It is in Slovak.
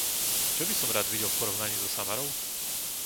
Čo by som rád videl v porovnaní so Samarou?